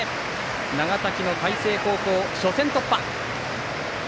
長崎の海星高校、初戦突破。